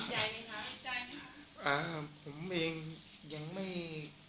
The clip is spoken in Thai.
แล้วอ่ะผมเองยังไม่